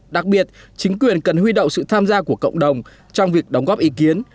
đặc biệt chính quyền cần huy động sự tham gia của cộng đồng trong việc đóng góp ý kiến